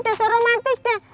gak usah romantis deh